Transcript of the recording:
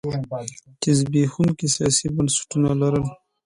چې زبېښونکي سیاسي بنسټونه لرل.